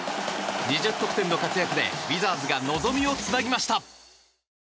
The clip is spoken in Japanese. ２０得点の活躍でウィザーズが望みをつなげました。